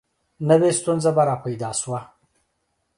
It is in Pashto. نوي ستونزه به را پیدا شوه.